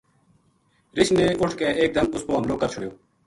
رچھ نے اُٹھ کے ایک دم اس پو حملو کر چھُڑیو